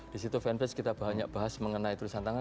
di situ fanpace kita banyak bahas mengenai tulisan tangan